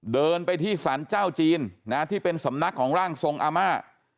เดินไปที่สรรเจ้าจีนที่เป็นสำนักของร่างทรงอาม่า